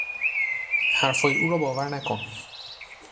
حرفهای او را باور نکن.